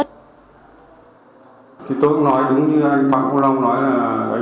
thì tôi cũng nói đúng như anh băng cô lông nói là